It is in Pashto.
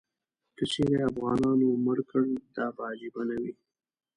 که چیرې افغانانو مړ کړ، دا به عجیبه نه وي.